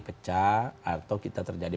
pecah atau kita terjadi